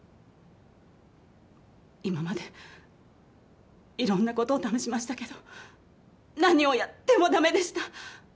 今までいろんなことを試しましたけど何をやってもだめでした。